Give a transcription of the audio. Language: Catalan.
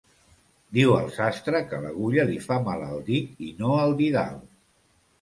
Diu el sastre que l'agulla li fa mal al dit i no el didal.